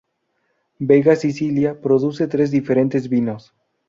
Vega Sicilia produce tres diferentes vinos.